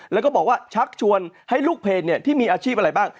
แล้วก็บอกว่าชักชวนให้ลูกเพลที่มีอาชีพอะไรบ้าง